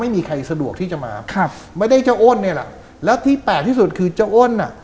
ไม่มีใครสะดวกที่จะมาครับไม่ได้เจ้าอ้นเนี่ยแหละแล้วที่แปลกที่สุดคือเจ้าอ้นอ่ะ